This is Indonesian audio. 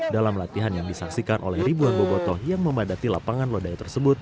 dalam latihan yang disaksikan oleh ribuan bobotoh yang memadati lapangan lodaya tersebut